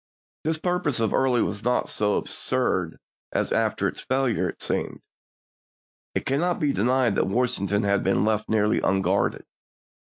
This purpose of Early was not so absurd as, after its failure, it seemed. It cannot be denied that Washington had been left nearly unguarded.